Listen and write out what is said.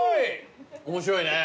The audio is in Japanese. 面白いね。